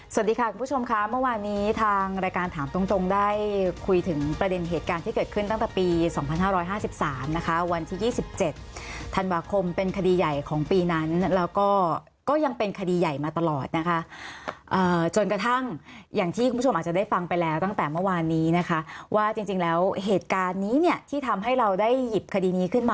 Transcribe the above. สวัสดีค่ะคุณผู้ชมค่ะเมื่อวานนี้ทางรายการถามตรงได้คุยถึงประเด็นเหตุการณ์ที่เกิดขึ้นตั้งแต่ปี๒๕๕๓นะคะวันที่๒๗ธันวาคมเป็นคดีใหญ่ของปีนั้นแล้วก็ก็ยังเป็นคดีใหญ่มาตลอดนะคะจนกระทั่งอย่างที่คุณผู้ชมอาจจะได้ฟังไปแล้วตั้งแต่เมื่อวานนี้นะคะว่าจริงแล้วเหตุการณ์นี้เนี่ยที่ทำให้เราได้หยิบคดีนี้ขึ้นมา